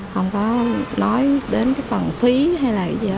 không có nói đến cái phần phí hay là cái gì đó